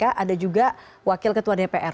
ada juga wakil ketua dpr